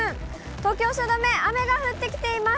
東京・汐留、雨が降ってきています。